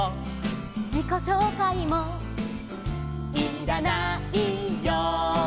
「じこしょうかいも」「いらないよ」